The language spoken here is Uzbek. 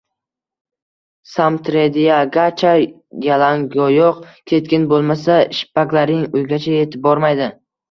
Samtrediagacha yalangoyoq ketgin, boʻlmasa shippaklaring uygacha yetib bormaydi